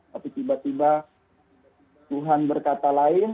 tapi tiba tiba tuhan berkata lain